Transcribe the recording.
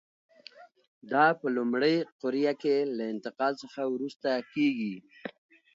دا په لومړۍ قوریه کې له انتقال څخه وروسته کېږي.